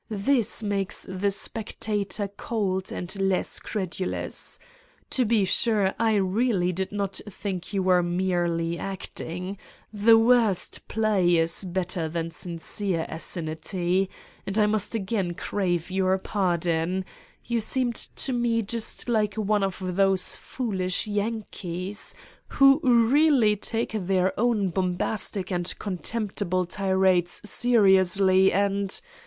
This makes the spectator cold and less credulous. To be sure, I really did not think you were merely acting the worst play is better than sincere assininity and I must again crave your pardon : you seemed to me just one of those foolish Yankees who really take their own bombastic and contemptible tirades seriously and